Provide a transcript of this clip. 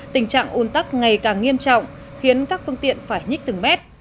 tình trạng un tắc ngày càng nghiêm trọng khiến các phương tiện phải nhích từng mét